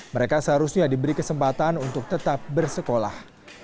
mereka seharusnya diberi kesempatan untuk tetap bersekolah